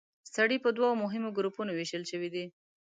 سرې په دوو مهمو ګروپونو ویشل شوې دي.